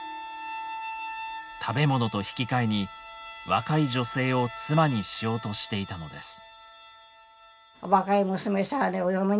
食べ物と引き換えに若い女性を妻にしようとしていたのです。